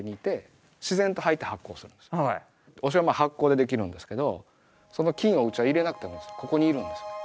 お醤油発酵でできるんですけどその菌をうちは入れなくてもここにいるんですよね。